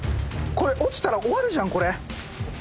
⁉これ落ちたら終わるじゃん！